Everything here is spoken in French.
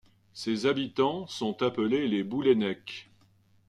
Ses habitants sont appelés les Boulenecs.